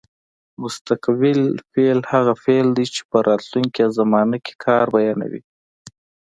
مستقبل فعل هغه فعل دی چې په راتلونکې زمانه کې کار بیانوي.